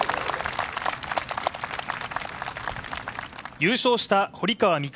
優勝した堀川未来